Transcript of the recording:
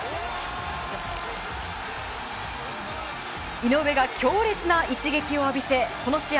井上が強烈な一撃を浴びせこの試合